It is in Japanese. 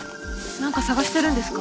なんか探してるんですか？